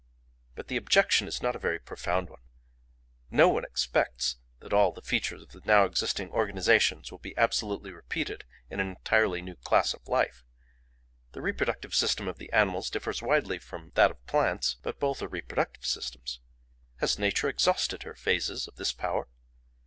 But the objection is not a very profound one. No one expects that all the features of the now existing organisations will be absolutely repeated in an entirely new class of life. The reproductive system of animals differs widely from that of plants, but both are reproductive systems. Has nature exhausted her phases of this power?